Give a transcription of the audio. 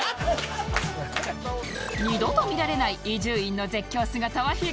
二度と見られない伊集院の絶叫姿は必見！